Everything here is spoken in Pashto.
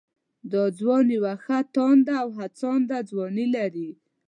دا ځوان يوه ښه تانده او هڅانده ځواني لري